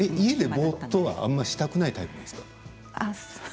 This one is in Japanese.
家で、ぼーっとはあんましたくないタイプですか？